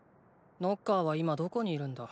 ノッカーは今どこにいるんだ？